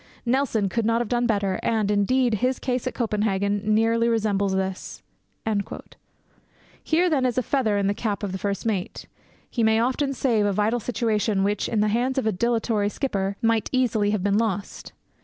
Nelson could not have done better, and, indeed, his case at Copenhagen nearly resembles this.' Here, then, is a feather in the cap of the first mate. He may often save a vital situation which, in the hands of a dilatory skipper, might easily have been lost.